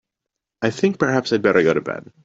I think perhaps I'd better go to bed.